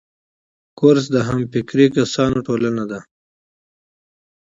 کورس د همفکره کسانو ټولنه ده.